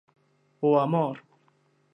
O amor.